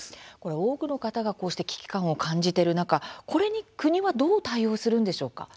多くの方がこうして危機感を感じている中これに国はどう対応するんでしょうか。